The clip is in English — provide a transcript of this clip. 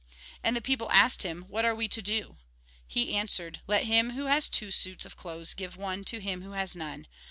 And the people asked him :" What are we to do ?" He answered :" Let him v« ho has two suits of clothes, give one to him who has none.